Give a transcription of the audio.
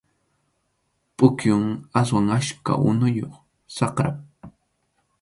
Pukyum aswan achka unuyuq, saqrap.